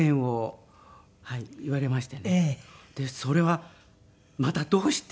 「それはまたどうして？」。